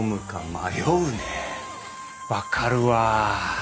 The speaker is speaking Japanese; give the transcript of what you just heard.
分かるわ。